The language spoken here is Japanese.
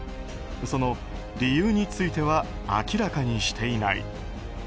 その理由については明らかにしていない。